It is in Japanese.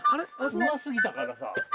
うますぎたからさ。